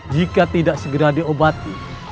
jika tidak segera diobati